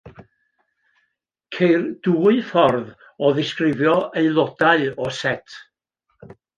Ceir dwy ffordd o ddisgrifio aelodau o set.